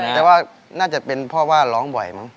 แต่ว่าน่าจะเป็นเพราะอาจร้องบ่มันบ่ม